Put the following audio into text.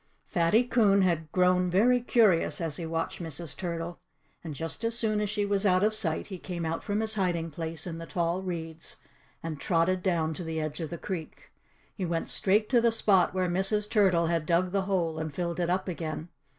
Fatty Coon had grown very curious, as he watched Mrs. Turtle. And just as soon as she was out of sight he came out from his hiding place in the tall reeds and trotted down to the edge of the creek. He went straight to the spot where Mrs. Turtle had dug the hole and filled it up again.